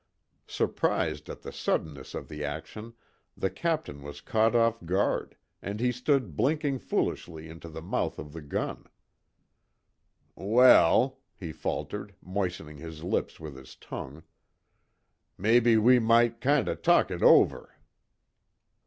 Surprised at the suddenness of the action, the Captain was caught off guard, and he stood blinking foolishly into the mouth of the gun: "Well," he faltered, moistening his lips with his tongue, "Mebbe we might kind o' talk it over."